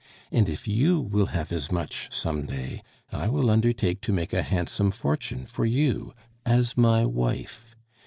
And if you will have as much some day, I will undertake to make a handsome fortune for you as my wife.